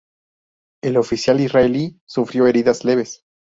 El oficial israelí sufrió heridas leves.